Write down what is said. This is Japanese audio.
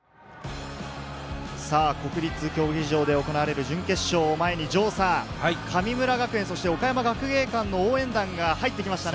国立競技場で行われる準決勝を前に神村学園、そして岡山学芸館の応援団が入ってきましたね。